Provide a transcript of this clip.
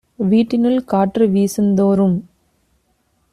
வீட்டினுள் காற்று வீசுந் தோறும்